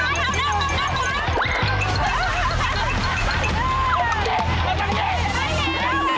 นิดเดียว